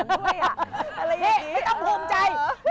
แบบไรอย่างนี้ไม่ต้องควงใจ